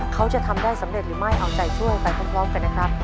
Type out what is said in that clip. เขาจะทำได้สำเร็จหรือไม่เอาใจช่วยไปพร้อมกันนะครับ